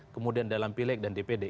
kemudian dalam pileg dan dpd